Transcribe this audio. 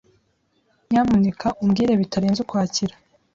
nyamuneka umbwire bitarenze Ukwakira .